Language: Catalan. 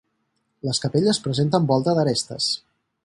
Les capelles presenten volta d'arestes.